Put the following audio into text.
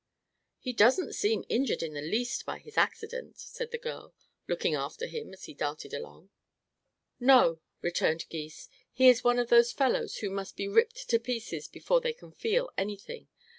"He doesn't seem injured in the least by his accident," said the girl, looking after him as he darted along. "No," returned Gys; "he is one of those fellows who must be ripped to pieces before they can feel anything.